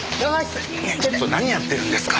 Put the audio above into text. ちょっと何やってるんですか！